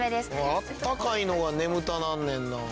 あったかいのが眠たなんねんな。